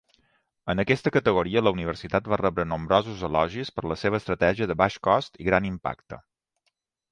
En aquesta categoria, la universitat va rebre nombrosos elogis per la seva estratègia de "baix cost i gran impacte".